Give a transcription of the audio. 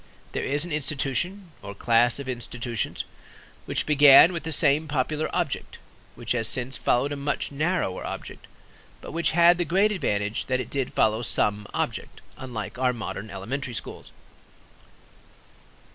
There is an institution, or class of institutions, which began with the same popular object, which has since followed a much narrower object, but which had the great advantage that it did follow some object, unlike our modern elementary schools.